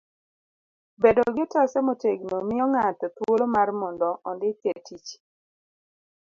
bedo gi otase motegno miyo ng'ato thuolo mar mondo ondike tich.